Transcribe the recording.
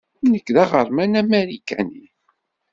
Nekk d aɣerman amarikani.